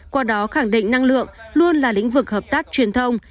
qua đó khẳng định năng lượng luôn là lĩnh vực hợp tác truyền thông